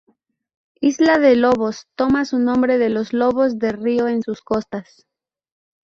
Isla de Lobos toma su nombre de los Lobos de río en sus costas.